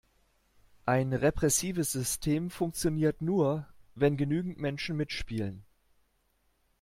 Ein repressives System funktioniert nur, wenn genügend Menschen mitspielen.